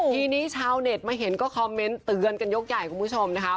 ทีนี้ชาวเน็ตมาเห็นก็คอมเมนต์เตือนกันยกใหญ่คุณผู้ชมนะคะ